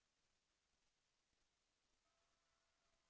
แสวได้ไงของเราก็เชียนนักอยู่ค่ะเป็นผู้ร่วมงานที่ดีมาก